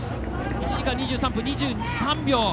１時間２３分２３秒。